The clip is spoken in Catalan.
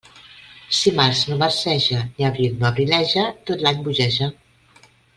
Si març no marceja, ni abril no abrileja, tot l'any bogeja.